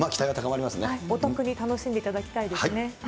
お得に楽しんでいただきたいですね。